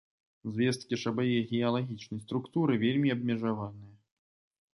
Звесткі ж аб яе геалагічнай структуры вельмі абмежаваныя.